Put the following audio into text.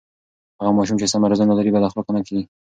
هغه ماشوم چې سمه روزنه لري بد اخلاقه نه کېږي.